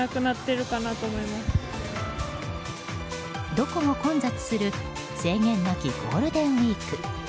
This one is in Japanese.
どこも混雑する制限なきゴールデンウィーク。